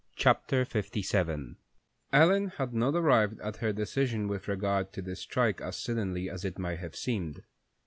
Chapter LVII Ellen had not arrived at her decision with regard to the strike as suddenly as it may have seemed.